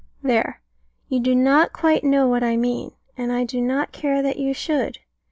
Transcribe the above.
There, you do not quite know what I mean, and I do not care that you should.